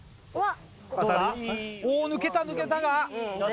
抜けた抜けたが。